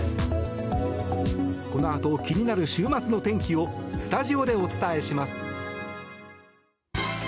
このあと、気になる週末の天気をスタジオでお伝えします。